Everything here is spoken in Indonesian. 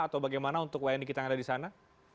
atau bagaimana untuk wayang dikitang ada di sana